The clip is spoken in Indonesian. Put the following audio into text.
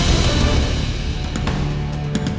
saya mau ke rumah